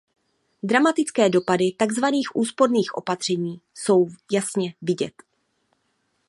Dramatické dopady takzvaných úsporných opatření jsou jasně vidět.